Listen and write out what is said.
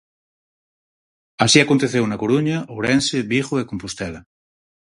Así aconteceu na Coruña, Ourense, Vigo e Compostela.